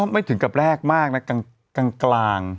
ไม่ถึงกับแรกมากนะกลาง